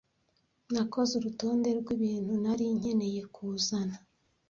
Nakoze urutonde rwibintu nari nkeneye kuzana.